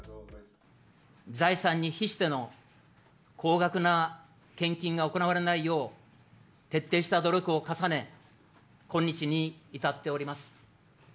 財産に比しての高額な献金が行われないよう、徹底した努力を重ね、今日に至っております。